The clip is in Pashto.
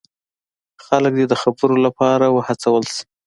خلک دې د خبرو لپاره هڅول شي.